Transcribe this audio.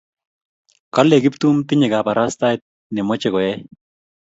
Kale Kiptum tinye kaparastaet nimoche koyai.